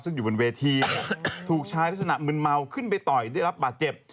ซึ่งอยู่บนเวทีถูกชายลักษณะมึนเมาขึ้นไปต่อยได้รับบาดเจ็บ